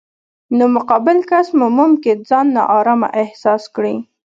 نو مقابل کس مو ممکن ځان نا ارامه احساس کړي.